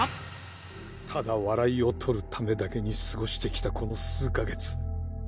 ただ笑いを取るためだけに過ごしてきた、この数か月。